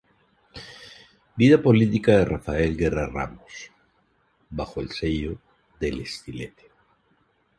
Vida política de Rafael Guerra Ramos", bajo el sello de El Estilete.